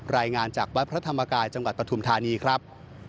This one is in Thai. รายงานจากวัดพระธรรมกายจังหวัดปฐุมธานีครับ